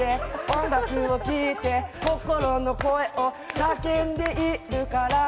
音楽を聴いて心の声を叫んでいるから。